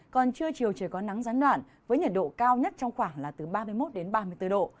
còn trưa chiều trời có nắng gián đoạn với nhiệt độ cao nhất trong khoảng là từ ba mươi một đến ba mươi bốn độ